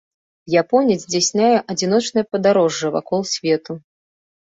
Японец здзяйсняе адзіночнае падарожжа вакол свету.